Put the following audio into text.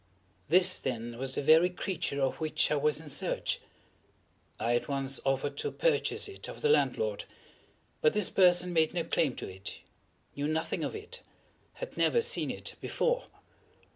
This, then, was the very creature of which I was in search. I at once offered to purchase it of the landlord; but this person made no claim to it—knew nothing of it—had never seen it before.